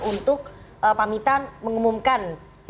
untuk pamitan mengumumkan